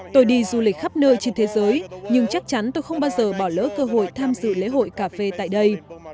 tôi đi du lịch khắp nơi trên thế giới nhưng chắc chắn tôi không bao giờ bỏ lỡ cơ hội tham dự lễ hội cà phê tại đây